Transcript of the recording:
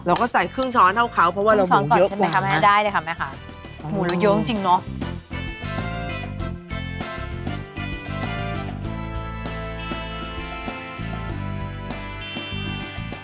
เราก็ใส่ครึ่งช้อนเธ่าเขาเพราะว่าเรามันมีเยอะกว่า